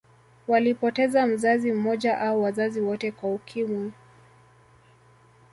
Walipoteza mzazi mmoja au wazazi wote kwa Ukimwi